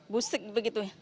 busik begitu ya